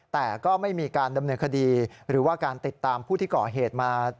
แต่ก็ไม่มีการดำเนินคดีหรือว่าการติดตามผู้ที่ก่อเหตุมา